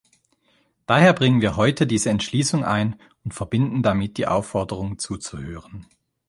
Daher bringen wir heute diese Entschließung ein und verbinden damit die Aufforderung zuzuhören.